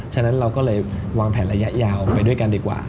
ฉะนั้นเราก็เลยวางแผนระยะยาวไปด้วยกันดีกว่า